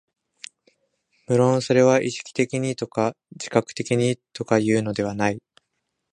無論それは意識的にとか自覚的にとかいうのではない。